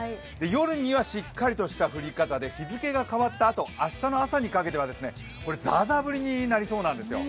夜にはしっかりとした降り方で、日付が変わったあと明日の朝にかけてはざあざあ降りになりそうなんですよ。